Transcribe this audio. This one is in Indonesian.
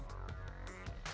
jangan lupa untuk berlangganan